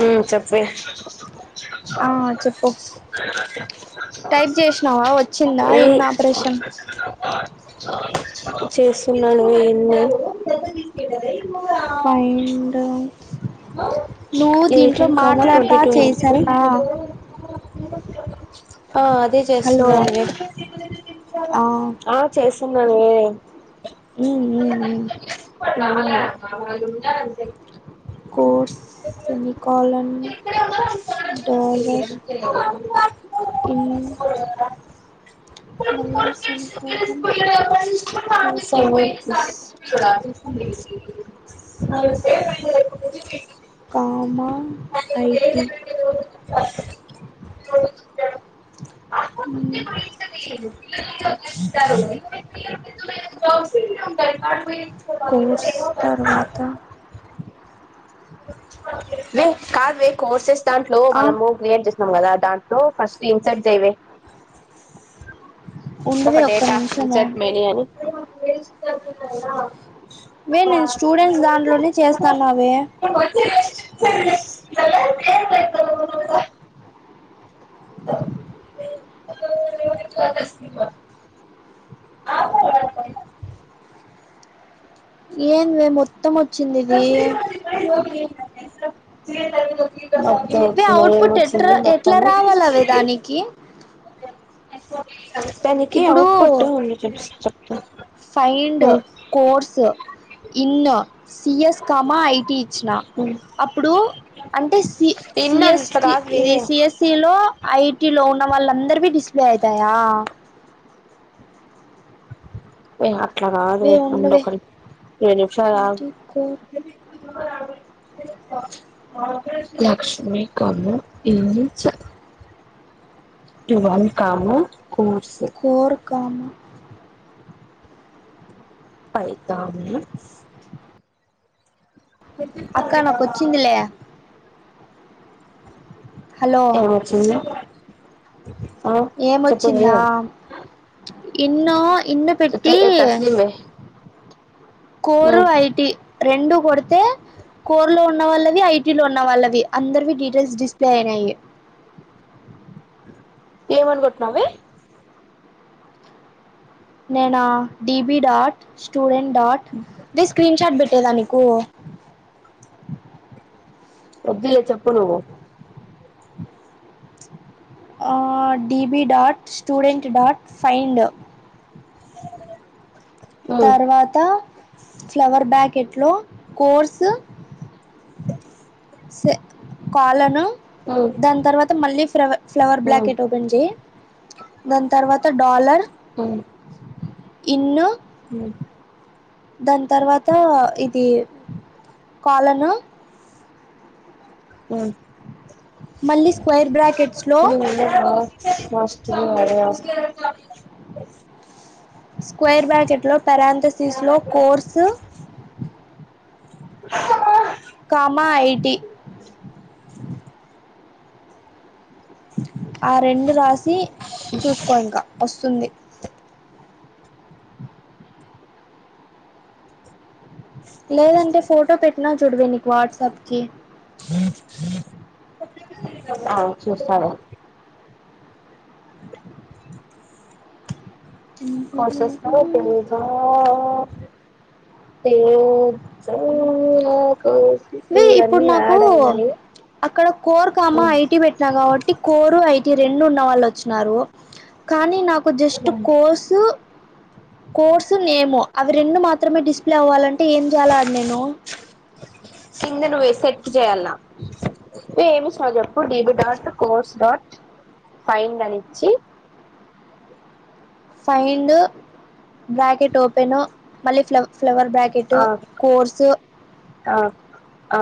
మ్మ్ చెప్పావే ఆ చెప్పు టైప్ చేసినావా వచ్చిందా ఎన్ని మ్మ్ ఆపరేషన్ చేస్తున్నాను ఎన్ని ఫైండ్ [unintelligible] ఆ నువ్వు దీంట్లో ఎయిటీన్ కామ ట్వెంటీ మాట్లాడతా టూ ఇన్ చేశారనా టూ ఆ అదే హలో చేస్తున్నా అండి ఆ ఆ చేస్ తిన్నావా మ్మ్ హ్మ్ యాడ [unintelligible] అంతే కోర్స్ ఇన్ని కొలమ్ డాలర్ ఇన్ వే మళ్ళీ సామ్ కోవన్ ఫుల్ packets [inaudible] comma IT Oona [inaudible] course తర్వాత వే కాదు వే కోర్సెస్ దాంట్లో ఆ మనము క్లియర్ చే అప్పుడు ఫస్ట్ ఇన్సర్ట్ చెయ్యావే ఒక ఉండవే ఒక్క డేటా ఇన్ నిమిషము షార్ట్ మేని అని అ వే నేను స్టూడెంట్స్ దాంట్లోనే చేస్తాన్నావే [unintelligible] ఏమ్ [inaudible] [inaudible] ఏంది వే మొత్తము [inaudible] మొత్తం వే వచ్చిన ఏం అవుట్పుట్ ఎట్రా వొచ్చింది ఎట్లా మొత్తము రావాలవే దానికి దానికి ఇప్పుడు అప్ కొట్టు ఉంది కొంచెం ఫైండ్ కోర్స్ సిఎస్ స్కామా ఐటి ఇచ్చిన అప్పుడు అంటే సి ఇన్ అట్లా సిఎస్టి కాదువే ఇది సిఎస్సిలో ఐటి లో ఉన్న వాళ్ళందరివి డిస్ప్లే అయితాయా ఓ అట్లా కాదే వే ఉండు ఉండవే అక్కడ ఒక రెండు నిమిషాలు ఏంటి అగు కోర్ [inaudible] లక్ష్మి కామో ఇన్ని చ్చా ఇదాన్ కామ కూర్సు కామ ఫైతాన్ లో అక్కా నాకు వొచ్చిందిలే హలో ఎమొచింది ఏమొచ్చిందా ఇన్నో ఇన్ని తే పెట్టీ తస్లీమే కోరు ఉమ్ ఐటి రెండు కొడితే కోర్ లో ఉన్న వాళ్ళవి ఐటీ లో ఉన్న వాళ్ళవి అందరివి డీటెయిల్స్ డిస్ప్లే అయినాయి ఏమన్గొట్నావే నేనా డిబి డాట్ స్టూడెంట్ డాట్ ర స్క్రీన్షాట్ బట్ ఏదానికూ ఒద్దులే చెప్పు నువ్వు ఆ DB dot student dot find um తర్వాత ఫ్లవర్ బ్యాకెట్ లో కోర్స్ స కాలను ఉమ్ దాన్ తర్వాత మళ్ళీ ఫ్రెవ ఫ్లవర్ ఉమ్ బ్లాకెట్ ఓపెన్ చేయ్ దాని తర్వాత డాలర్ ఉమ్ ఇన్ దాన్ తర్వాత ఇదీ కాలన్ ఉమ్ మళ్ళీ స్క్వేర్ బ్రాకెట్స్లో మస్ట్ బి అదా స్క్వేర్ బ్యాకెట్ లో పెరాంథసిస్ లో కోర్సు చెప్ప కామా ఐటి ఆ రెండు రాసి చూసుకో ఇంకా ఒస్తుంది లేదంటే ఫోటో పెట్టినా చూడవె నీకు వాట్సాప్ కి ఆ చూస్తాలె కొసెస్త పీకా తె జ అ ఇప్పుడ్ నాకూ అక్కడ కోర్ కామ ఐటీ పెట్టినా కాబట్టి కోరు ఐ రెండు ఉన్న వాళ్ళు ఒచ్చినారు కానీ నాకు జస్ట్ కోసు కోర్సు నేము అవి రెండు మాత్రమే డిస్ప్లే అవ్వాలంటే ఏం చేయాలడ్ నేను కింద నువ్వే సెట్ చేయాల్ల నువ్ ఏమి సవు చెప్ డబ డాట్ కోర్స్ డాట్ ఫైండ్ అనిచ్చి ఫైండ్ బ్రాకెట్ ఓపెను మళ్ళీ ఫ్ల ఫ్లవర్ బ్యాకెట్ ఆ కోర్స్ ఆ అ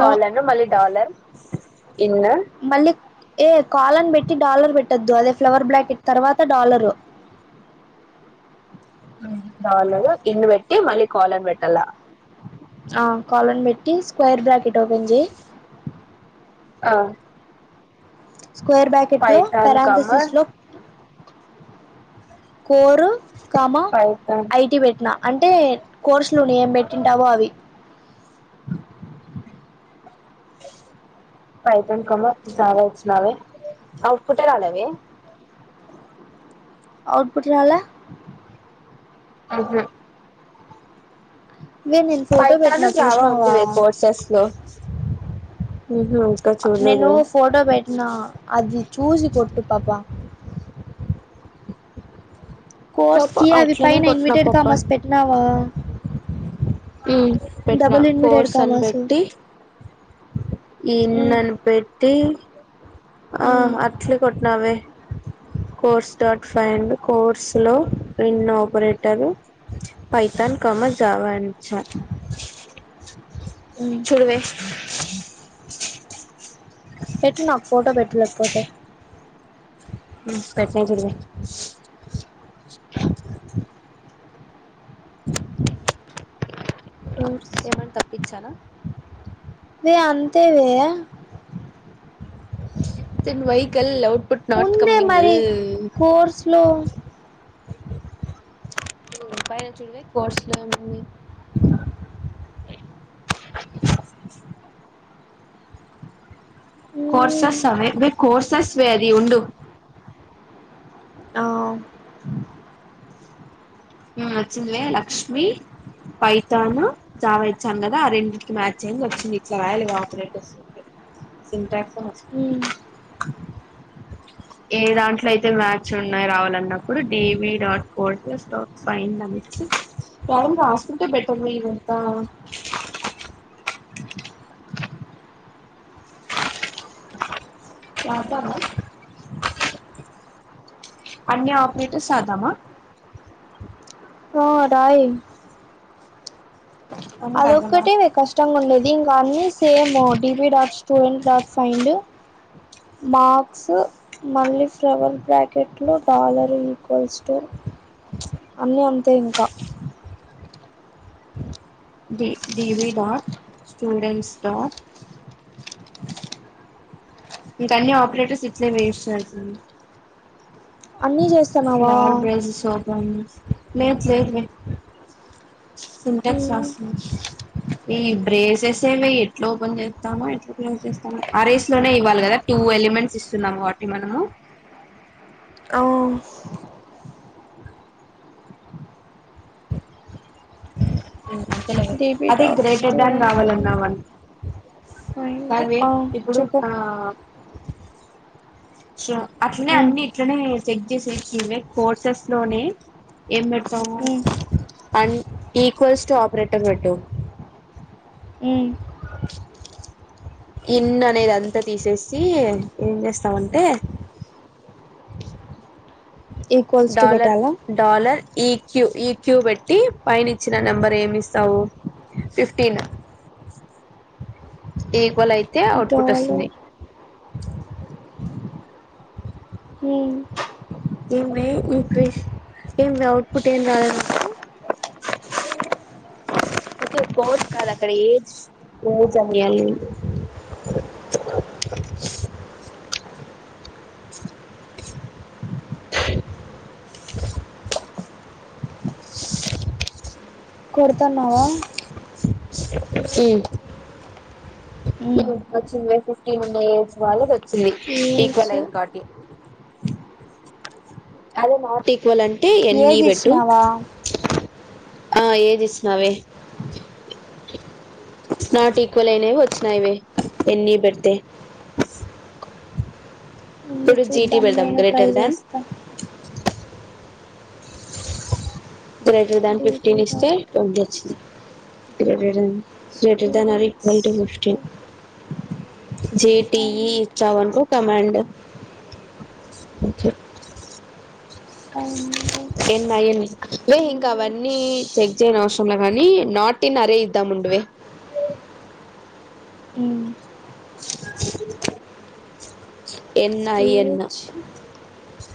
కాలను మళ్ళీ డాలర్ ఇన్ మళ్ళీ ఏ కాలన్ పెట్టి డాలర్ పెట్టొద్దు అదే ఫ్లవర్ బ్లాకెట్ తర్వాత డాలర్ డాలర్ ఇన్న పెట్టి మళ్ళీ కాలన్ పెట్టాల ఆ కాలన్ పెట్టి స్క్వేర్ బ్రాకెట్ ఓపెన్ చెయ్ ఆ స్క్వేర్ బ్యాకెట్ లో పైథాన్ కమ పెరాంతసిస్ లో కోరు కామా పైథాన్ ఐటీ పెట్టినా అంటే కోర్సులో ఏం పెట్టింటావో అవి పైతం కమ చాల ఇచ్చన్నావ అట్ కుటే రాాలవ [unintelligible] ఔట్పుట్ రాల హూ హమ్ ఇవే నేను ఫోటో ఫైతాను పెట్టినా జావా ఉంది చూసినావా వే కోర్సెస్ లో ఉహు ఇంకా నేను చూడలేదు ఫోటో పెట్టినా అది చూసి కొట్టు పాప కోట్స్ కి అవి పైన ఇన్విటెడ్ కోపా కామాస్ పెట్టినావా ఉం పెట్టినా డబుల్ ఇన్విటెడ్ కోట్స్ అని కామర్స్ పెట్టి ఇన్ మ్మ్ అని పెట్టి ఆ మ్మ్ అట్లే కొట్నవే కోర్స్ డాట్ ఫైండ్ కోర్స్ లో ఇన్ ఆపరేటర్ పైతాను కామ జావా చ మ్మ్ చూడవే పెట్టు నాకు ఫోటో పెట్టు లేకపోతే ఉం పెట్న చూడవే కోర్సు ఏమన్నా తప్పిచ్చానా వే అంతే వే తను వహికల్లౌ [unintelligible] బట్ నాట్ ఉందే కమ్మింగ్ మరి కోర్స్ లో బైలా చడగా కోస ఎ [unintelligible] మ్మ్ కోర్సస్ అవేే కోర్సస్ వే ఉండు ఆ ఉం వచ్చినవే లక్ష్మి పైతాను జావా ఇచ్చాను కదా ఆ రెండింటికి మ్యాచ్ అయ్యంది వచ్చింది ఇట్లా రాయలు ఇగ ఆపరేటర్స్ సింటక్స్తు అను మ్మ్ ఏ దాంట్లో అయితే మ్యాచ్ ఉన్నాయి రావాలన్నప్పుడు డివి డాట్ కోడ్ స్టోర్ ఫైన్ అ ారంద్ర హాస్పిట బెట్టవ ఇవంతా [unintelligible] పాపంద [unintelligible] అన్ని ఆపరేటర్స్ రాదామా ఆ రాయి అదొక్కటే కష్టంగా ఉండేది ఇంకా అన్ని same D B dot student dot find max మళ్ళీ ఫ్లవర్ ప్యాకెట్లు డాలర్ ఈక్వల్ టూ అన్నీ అంతే ఇంక D B dot students dot ఇంకా అన్న్ని పరేటర్స్ ఇట్లే వేస్ట్ చే [unintelligible] అన్నీ చేస్తున్నావా ఫ్లర్ బ్రెజస్ ఓపన్ లేదు లేదు [unintelligible] సింటెక్స్ మ్మ్ రాస్తున్న ఈ బ్రేసే స్ ఎట్ల ఓపెన్ చేస్తనవ ఎట్లా క్లోజ్ చేస్తానవ ఆ రేస్లోనే ఇవ్వాలి కదా టూ ఎలిమెంట్స్ ఇస్తున్నాము వాటి మనము అ అవు డిబి అది డాట్ గ్రేటర్ దన్ స్టూడెంట్ రావాలన్నామని ఫైండ్ కాదే ఇప్పుడు చెప్పు ఆ సో అట్లనే అన్ని ఇట్లనే చెక్ చేసేనవే కోర్సెస్ లోనే ఏం పెడతావు అండ్ ఈక్వల్స్ టు ఆపరేటర్ పెట్టు ఉ ఇన్ అనేది అంతా తీసేసి ఏం చేస్తవంటే ఈక్వల్స్ టు డాలర్ పెట్టాలా డాల్ ఈ క్యూ ఈ క్యూ పెట్టి పైనిచ్చిన నెంబర్ ఏమి ఇస్తావు ఫిఫ్టీన్ ఈక్వల్ అయితే అవుట్పుట్ డాలో వస్తుంది అ హు ఏ ఈక్వేషన్ ఏ అఔట్పుుట్ ఏం రాద [unintelligible] [unintelligible] కాదు అక్కడ ఏజ్ ఏజ్ అవి అని [inaudible] [inaudible] కొడతన్నావ ఈ వచ్చింది ఫిఫ్టీన్ వుండే ఏజ్ వాళ్ళది వచ్చింది ఏజ్ ఈక్వల్ అయింది [unintelligible] అదే నాట్ ఈక్వల్ అంటే ఎన్ని ఏది పెట్టు ఇచ్చినావా ఆ ఏదిస్నావే నాట్ ఈక్వల్ అయినవి వచ్చినావే ఎన్ని పెడితే [inaudible] ఉండి ఇప్పుడు జీటీ చూద్దాం పెడదాం నేను ట్రై గ్రేటర్ దాన్ చేస్త గ్రేటర్ దాన్ డిబి ఫిఫ్టీన్ ఇస్తే డాట్ ట్వంటీ వచ్చింది greater than greater than or students equal to fifteen dot జేటిఈ [unintelligible] find ఇచ్చవనుకో కమాండ్ ఒకే ఫైండ్ [unintelligible] వే ఇంకా అవన్నీ చెక్ చేయని అవసరంలా గాని నాట్ ఇన్ అరే ఇద్దాం డ్వే age NI N age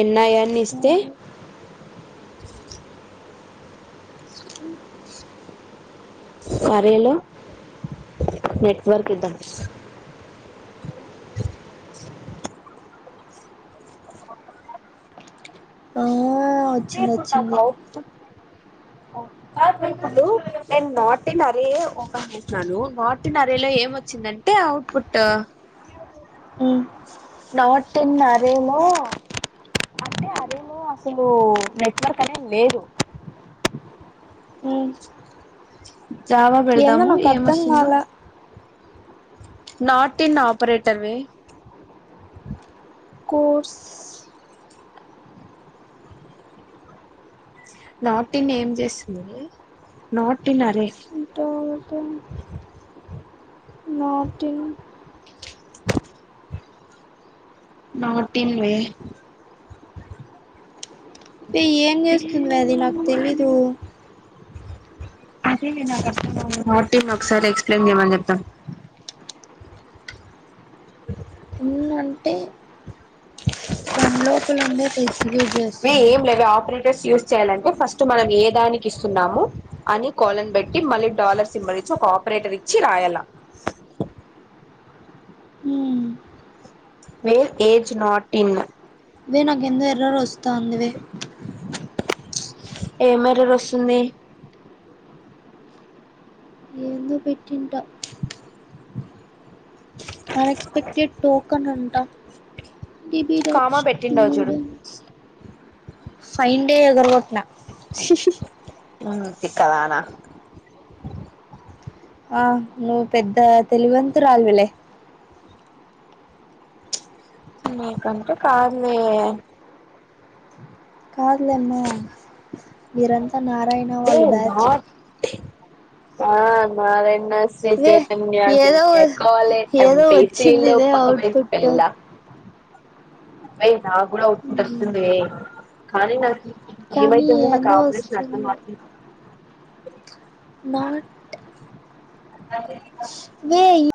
N I N ఇస్తే డాలర్ [unintelligible] నెట్వర్క్ ఇద్దాం ఆ వచ్చింది ఇప్పుడు నాకు వచ్చింది అవుట్పుట్ నేను నాటిన్ అరే ఓపెన్ చేసినను నాటిన్ అరేలో ఏం వచ్చిందంటే అవుట్ పుట్ అ నాట్ ఇన్ అరే లో అంటే అరెలో అసలు నెట్వర్క్ అనే లేదు ఉమ్ జావ ఏందో పెడదామ నాకు అర్థం ఏమొస్తుందో కాల నాట్ ఇన్ ఆపరేటర్ వే కోర్స్ నాటిన్ ఏం చేసిందే నాటిన్ అరేస్ అంటే ఆటింగ్ నాటిన్ వే అంటే ఏం చేస్తుందే అది నాకు తెలీదు నాటిన్ ఒకసారి ఎక్స్ప్లెయిన్ చేయమని చెప్దాం ఇన్ అంటే దాని లోపల ఉండే అది ఎగ్జిక్యూట్ చేస్తుంది. స్ యూజ్ చేయాలంటే ఫస్ట్ మనం ఏ దానికి ఇస్తున్నాము అని కోలన్ బెట్టి మళ్ళీ డాలర్ సింబల్ సో ఒక ఆపరేటర్ ఇచ్చి రాయాల హ్మ్ వేల్ ఏజ్ నాట్ ఇన్ వే నాకెందో ఎర్రరు వస్తాందివే ఏమ్ ఎర్రర్ వస్తుంది ఏందో పెట్టింట అన్ఎక్స్పెక్టెడ్ టోకన్ అంటా కామా డిబిరాజ్ పెట్టిండవు చూడు సూడ్టెంట్స్ ఫైన్ డే ఎగరగొట్టినా ఉమ్ తిక్కదానా ఆ నువ్వు పెద్ద తెలివంతు రాలివిలే నీకంటే కాదులే కాదులేమ్మ మీరంతా నారాయణ వే వాళ్ళు బ్యాచ్ నాట్ ఆ మాదై నా వే శ్రీచైతన్య ఏదో జూనియర్ కాలేజ్ ఎమ్ ఏదో పి సి వచ్చింది లో ఇదే పక్క బెంచి అవుట్పుట్ పిల్ల వెయ్ నాకూడా అవుట్ పుట్ వస్తుందే కానీ నాకి కానీ ఏమయితుంది నాకు ఏందో ఆపరషన్ అర్థం వస్తుంది అవట్లే నాట్ వెే